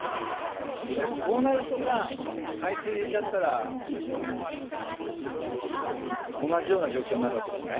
何かこうなるとさ海水入れちゃったら同じような状況になるわけじゃない。